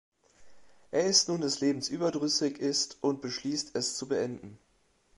Er ist nun des Lebens überdrüssig ist und beschließt, es zu beenden.